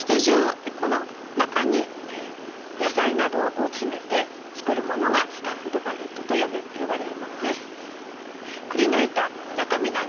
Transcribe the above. この中に野菜などを詰めて作るものがスタッフドバゲットと呼ばれるものです。